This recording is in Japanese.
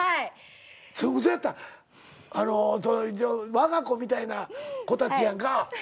わが子みたいな子たちやんか。